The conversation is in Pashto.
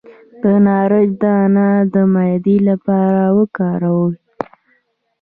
د نارنج دانه د معدې لپاره وکاروئ